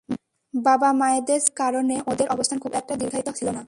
বাবা মায়েদের চাকরির কারণে ওদের অবস্থান খুব একটা দীর্ঘায়িত ছিল না।